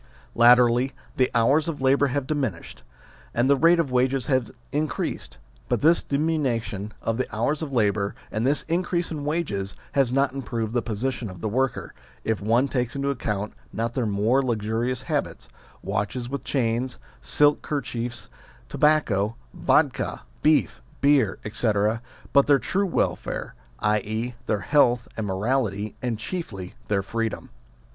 Latterly the hours of labour have diminished, and the rate of wages has increased ; but this diminution of the hours of labour and this in crease in wages has not improved the position of the worker, if one takes into account not their more luxurious habits watches with chains, silk kerchiefs, tobacco, vddka, beef, beer, etc. but their true welfare, i.e. their health and morality, and chiefly their freedom.